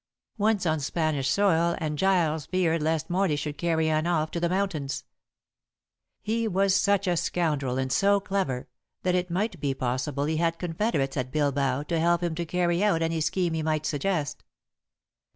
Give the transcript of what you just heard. Once on Spanish soil and Giles feared lest Morley should carry Anne off to the mountains. He was such a scoundrel, and so clever, that it might be possible he had confederates at Bilbao to help him to carry out any scheme he might suggest.